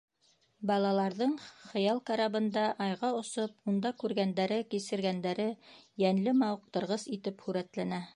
Балаларҙың, хыял карабында Айға осоп, унда күргәндәре, кисергәндәре йәнле, мауыҡтырғыс итеп һүрәтләнә.